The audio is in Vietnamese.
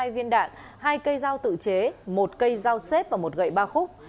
hai mươi hai viên đạn hai cây dao tự chế một cây dao xếp và một gậy ba khúc